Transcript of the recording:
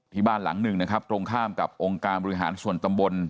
บ้านหลังหนึ่งนะครับตรงข้ามกับองค์การบริหารส่วนตำบล